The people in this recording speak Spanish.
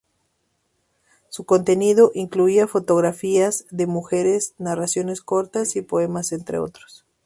Su contenido incluía fotografías de mujeres, narraciones cortas y poemas, entre otros.